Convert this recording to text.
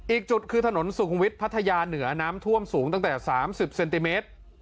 อีกจุดคือถนนสุขุมวิทย์พัทยาเหนือน้ำท่วมสูงตั้งแต่๓๐เซนติเมตร